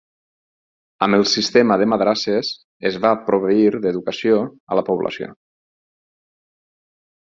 Amb el sistema de madrasses es va proveir d'educació a la població.